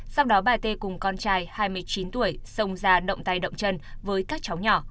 sau đó bà tê cùng con trai hai mươi chín tuổi xông ra động tay động chân với các cháu nhỏ